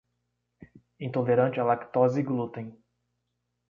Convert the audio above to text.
Intolerante à lactose e glúten